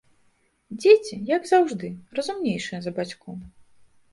Дзеці, як заўжды, разумнейшыя за бацькоў.